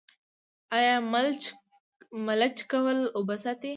آیا ملچ کول اوبه ساتي؟